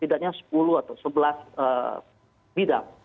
sepuluh atau sebelas bidang